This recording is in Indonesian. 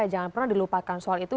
jangan pernah dilupakan soal itu